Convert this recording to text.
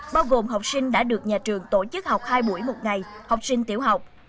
bao gồm học sinh đã được nhà trường tổ chức học hai buổi một ngày học sinh tiểu học